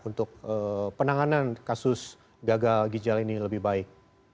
untuk penanganan kasus gagal ginjal ini lebih baik